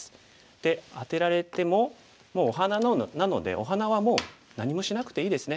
でアテられてももうお花なのでお花はもう何もしなくていいですね。